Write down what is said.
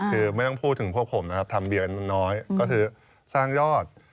คือไม่ต้องพูดถึงพวกผมนะครับทำเดือนมันน้อยก็คือสร้างยอด